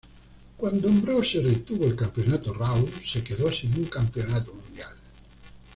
Cuando Ambrose retuvo el campeonato, "Raw" se quedó sin un Campeonato Mundial.